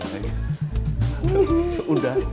sudah nanti kamu capek